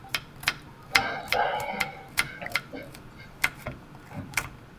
工人来自中爪哇和东爪哇的村庄。